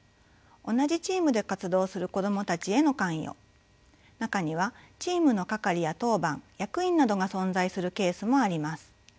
同じチームで活動する子どもたちへの関与中にはチームの係や当番役員などが存在するケースもあります。